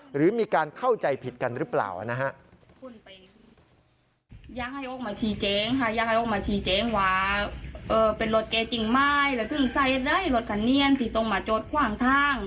หรือมีการเข้าใจผิดกันหรือเปล่านะฮะ